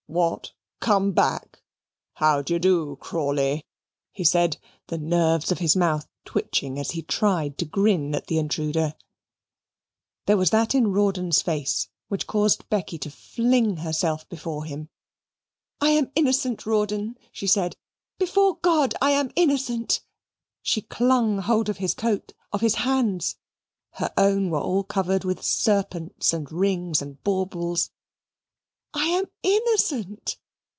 "What, come back! How d'ye do, Crawley?" he said, the nerves of his mouth twitching as he tried to grin at the intruder. There was that in Rawdon's face which caused Becky to fling herself before him. "I am innocent, Rawdon," she said; "before God, I am innocent." She clung hold of his coat, of his hands; her own were all covered with serpents, and rings, and baubles. "I am innocent.